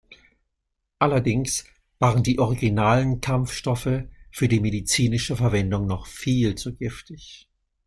Allerdings waren die originalen Kampfstoffe für die medizinische Verwendung noch viel zu giftig.